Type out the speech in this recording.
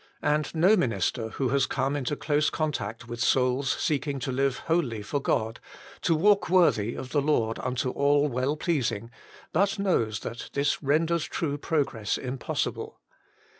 And no minister who has come into close contact with souls WHO SHALL DELIVER ? 81 seeking to live wholly for God, to " walk worthy of the Lord unto all well pleasing," but knows that this renders true progress impossible.